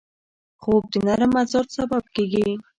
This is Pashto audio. خوب د نرم مزاج سبب کېږي